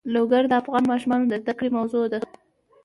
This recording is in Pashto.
لوگر د افغان ماشومانو د زده کړې موضوع ده.